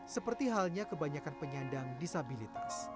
seperti halnya kebanyakan penyandang disabilitas